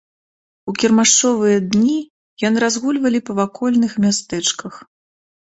У кірмашовыя дні яны разгульвалі па вакольных мястэчках.